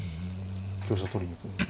香車取りに行くのも。